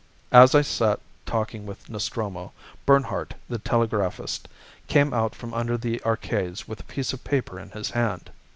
As I sat talking with Nostromo, Bernhardt, the telegraphist, came out from under the Arcades with a piece of paper in his hand.